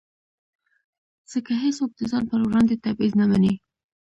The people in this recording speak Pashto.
ځکه هېڅوک د ځان پر وړاندې تبعیض نه مني.